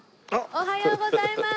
おはようございます！